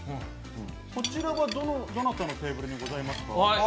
こちらはどなたのテーブルにありますか？